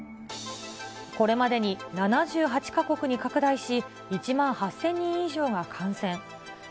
これまでに７８か国に拡大し、１万８０００人以上が感染。